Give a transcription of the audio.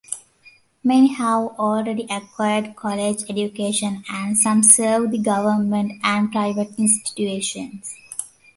Many have already acquired college education and some serve the government and private institutions.